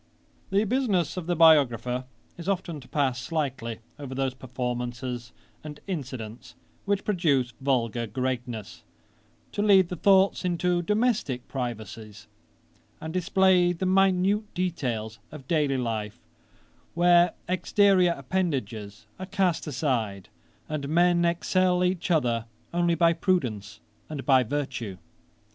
'The business of the biographer is often to pass slightly over those performances and incidents which produce vulgar greatness, to lead the thoughts into domestick privacies, and display the minute details of daily life, where exteriour appendages are cast aside, and men excel each other only by prudence and by virtue.